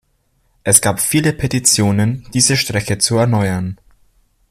Es gab viele Petitionen, diese Strecke zu erneuern.